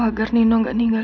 siapa yang kunjungin gue